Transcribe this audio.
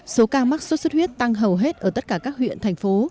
số ca mắc sốt xuất huyết tăng hầu hết ở tất cả các huyện thành phố